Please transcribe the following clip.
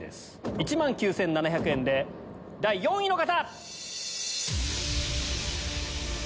１万９７００円で第４位の方！